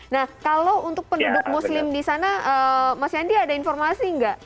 nah kalau untuk penduduk muslim di sana mas yandi ada informasi nggak